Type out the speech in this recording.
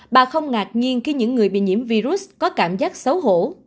bà không ngạc nhiên khi những người bị nhiễm virus có cảm giác xấu hổ